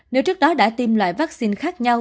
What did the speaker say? nếu trước đó đã tiêm loại vaccine khác nhau